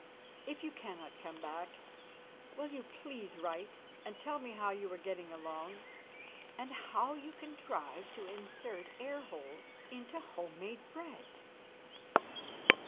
If you cannot come back will you please write and tell me how you are getting along and how you contrive to insert air holes into home made bread?